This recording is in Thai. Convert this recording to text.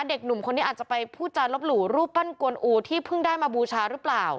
เด็กหนุ่มคนนี้อาจจะไปพูดจานลบหลู่รูปปั้นกวนอูที่เพิ่งได้มาบูชาหรือเปล่า